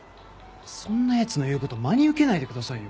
そんなやつの言うこと真に受けないでくださいよ。